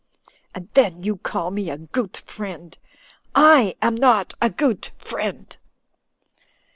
And then you call me a goot friend. I am not a goot friend